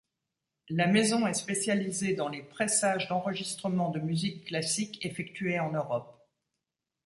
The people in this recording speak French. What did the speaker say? La maison est spécialisée dans les pressages d'enregistrements de musique classique effectués en Europe.